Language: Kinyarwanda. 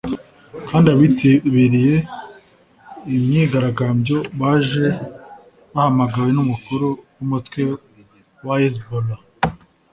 kandi abitabiriye imyigaragambyo baje bahamagawe n’umukuru w’umutwe wa Hezbollah